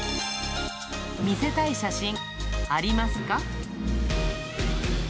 見せたい写真ありますか？